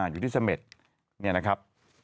อยู่ที่สะเม็ดเนี่ยนะครับ